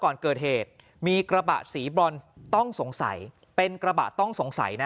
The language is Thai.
ก่อนเกิดเหตุมีกระบะสีบรอนต้องสงสัยเป็นกระบะต้องสงสัยนะ